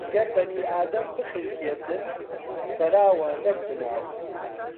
گەر بەنی ئادەم بخنکێتن، سەراوە نەک بناو